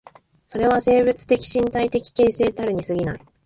それは生物的身体的形成たるに過ぎない。